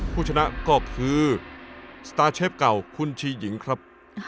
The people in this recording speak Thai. ผู้ชนะก็คือสตาร์เชฟเก่าคุณชีหญิงครับ